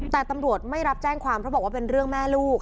แต่ตำรวจไม่รับแจ้งความเพราะบอกว่าเป็นเรื่องแม่ลูก